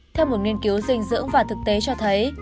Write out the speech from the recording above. theo một nghiên cứu dinh dưỡng và thực tế cho thấy